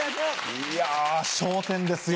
いや『笑点』ですよ。